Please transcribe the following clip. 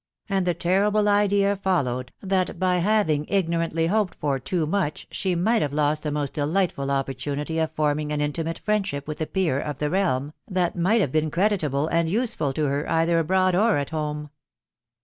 and the terrible idea fol lowed, that by having •ignorantly hoped for too much she might have lost a moat delightful opportunity of forming an intimate friendship with a peer of the realm, that might have been creditable and useful to her, either abroad or at home.